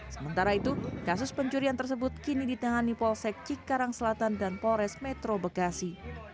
sementara itu kasus pencurian tersebut kini ditangani polsek cikarang selatan dan polres metro bekasi